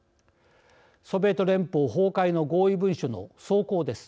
ソビエト連邦崩壊の合意文書の草稿です。